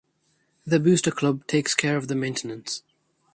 The booster club takes care of maintenance.